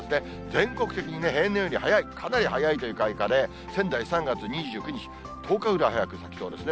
全国的に平年より早い、かなり早いという開花で、仙台３月２９日、１０日ぐらい早く咲きそうですね。